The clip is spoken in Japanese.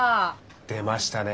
出ましたね